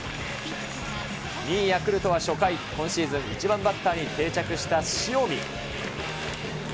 ２位ヤクルトは初回、今シーズン１番バッターに定着した塩見。